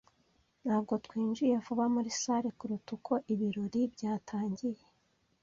Ntabwo twinjiye vuba muri salle kuruta uko ibirori byatangiye.